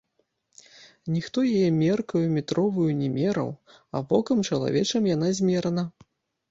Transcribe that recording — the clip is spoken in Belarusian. Ніхто яе меркаю метроваю не мераў, а вокам чалавечым яна змерана.